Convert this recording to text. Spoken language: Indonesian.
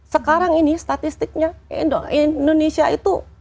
sekarang ini statistiknya indonesia itu